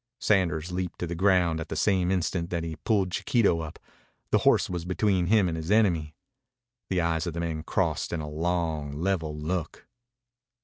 Sanders leaped to the ground at the same instant that he pulled Chiquito up. The horse was between him and his enemy. The eyes of the men crossed in a long, level look.